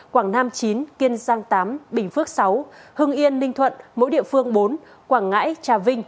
quảng nam chín kiên giang tám bình phước sáu hưng yên ninh thuận mỗi địa phương bốn quảng ngãi trà vinh